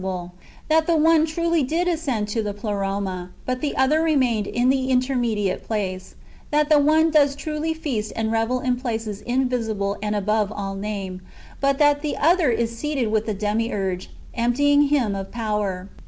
'337 remained impassible ; that the one truly did ascend to the Pleroma, but the other remained in the intermediate place ; that the one does truly feast and revel in places invisible and above all name, but that the other is seated with the Demi urge, emptying him of power.